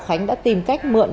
khánh đã tìm cách mượn